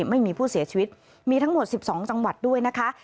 ไม่มีผู้เสียชีวิตมีทั้งหมด๑๒จังหวัดด้วยนะคะ